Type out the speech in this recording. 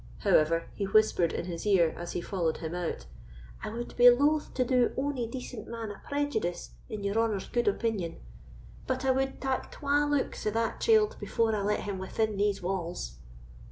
However, he whispered in his ear, as he followed him out, "I would be loth to do ony decent man a prejudice in your honour's gude opinion; but I would tak twa looks o' that chield before I let him within these walls."